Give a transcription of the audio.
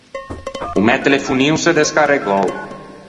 O mæ telefonin o s’é descarregou.